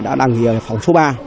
đã đang ở phòng số ba